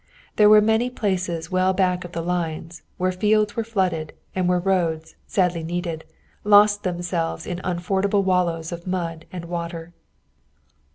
There were many places well back of the lines where fields were flooded, and where roads, sadly needed, lost themselves in unfordable wallows of mud and water.